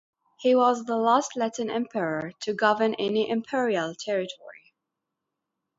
He was the last Latin emperor to govern any imperial territory.